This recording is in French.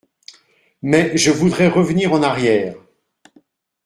Mais je voudrais revenir en arrière.